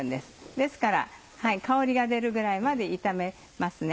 ですから香りが出るぐらいまで炒めます。